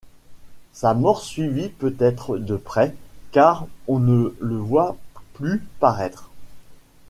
Sa mort suivit peut-être de près, car on ne le voit plus paraître.